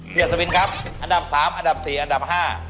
อัศวินครับอันดับ๓อันดับ๔อันดับ๕